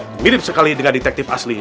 terus jalan duluin